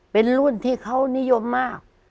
เป็นรุ่นที่เขานิยมมาก